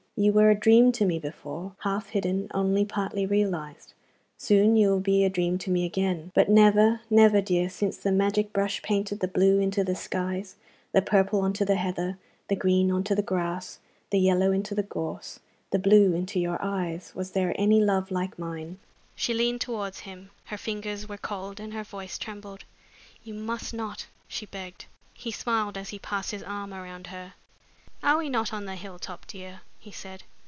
You were a dream to me before, half hidden, only partly realized. Soon you will be a dream to me again. But never, never, dear, since the magic brush painted the blue into the skies, the purple on to the heather, the green on to the grass, the yellow into the gorse, the blue into your eyes, was there any love like mine!" She leaned towards him. Her fingers were cold and her voice trembled. "You must not!" she begged. He smiled as he passed his arm around her. "Are we not on the hill top, dear?" he said.